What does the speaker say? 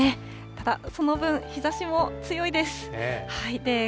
ただ、その分、日ざしも強いです。